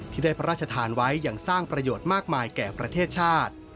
ที่ได้พระราชทานไว้อย่างสร้างประโยชน์มากมายแก่ประเทศชาติ